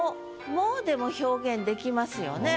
「も」でも表現できますよね。